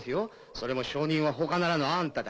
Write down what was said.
それも証人は他ならぬあんただ。